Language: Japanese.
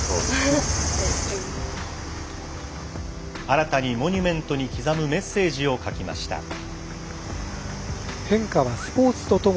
新たにモニュメントに刻むメッセージを書きました。